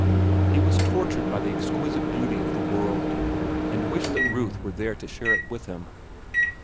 He was tortured by the exquisite beauty of the world, and wished that Ruth were there to share it with him.